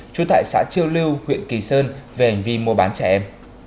chú tại xã triêu lưu huyện kỳ sơn về hành vi mua bán trẻ em